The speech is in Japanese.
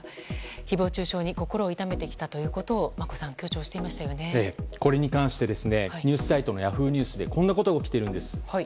誹謗中傷に心を痛めてきたということをこれに関してニュースサイトのＹａｈｏｏ！ニュースでこんなことが起きています。